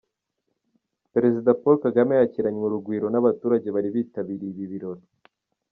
Perezida Paul Kagame yakiranywe urugwiro n’abaturage bari bitabiriye ibi birori.